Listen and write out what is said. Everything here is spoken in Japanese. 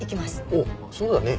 おっそうだね。